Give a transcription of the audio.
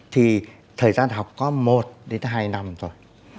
thì thời gian học có một đến hai năm rồi